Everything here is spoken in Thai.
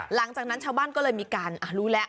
หลังจากนั้นชาวบ้านก็เลยมีการรู้แล้ว